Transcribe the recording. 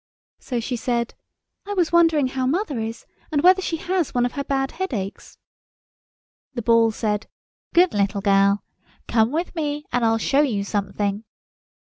So she said, "I was wondering how mother is, and whether she has one of her bad headaches." The Ball said, "Good little girl! Come with me and I'll show you something."